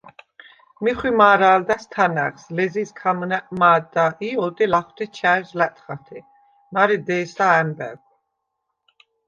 მი ხვიმა̄რა̄ლდა̈ს თანა̈ღს, ლეზიზ ქამჷნა̈ყ მა̄დდა ი ოდე ლახვთე ჩა̈ჟ ლა̈ტხათე, მარე დე̄სა ა̈მბა̈გვ.